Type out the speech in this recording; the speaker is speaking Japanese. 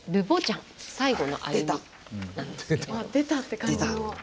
「ああ出た」って感じの。